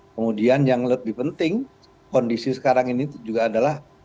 kemudian yang lebih penting kondisi sekarang ini juga adalah